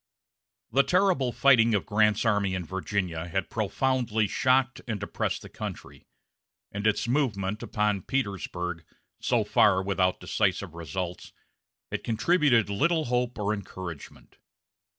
The terrible fighting of Grant's army in Virginia had profoundly shocked and depressed the country; and its movement upon Petersburg, so far without decisive results, had contributed little hope or encouragement.